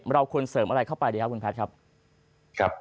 เราควรเสริมอะไรเข้าไปดีครับคุณแพทย์ครับ